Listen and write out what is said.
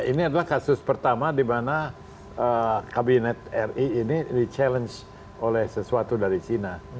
ini adalah kasus pertama di mana kabinet ri ini di challenge oleh sesuatu dari cina